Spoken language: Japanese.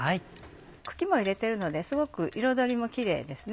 茎も入れてるのですごく彩りもキレイですね。